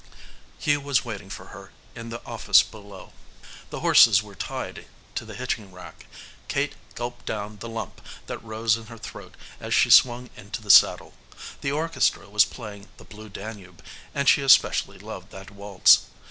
Hugh was waiting for her in the office below. The horses were tied to the hitching rack. Kate gulped down the lump that rose in her throat as she swung into the saddle. The orchestra was playing the "Blue Danube," and she especially loved that waltz.